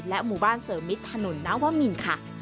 และหมู่บ้านเสมอมิตรถนนน้ำวะมินค่ะ